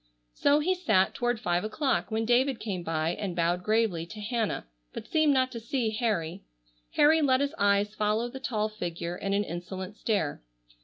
So he sat, toward five o'clock, when David came by, and bowed gravely to Hannah, but seemed not to see Harry. Harry let his eyes follow the tall figure in an insolent stare.